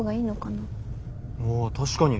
あ確かに。